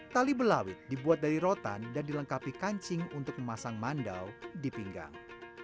tali belawit dibuat dari rotan dan dilengkapi kancing untuk memasang mandau di pinggang